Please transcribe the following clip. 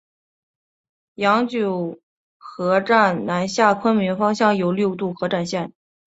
羊臼河站南下昆明方向有六渡河展线。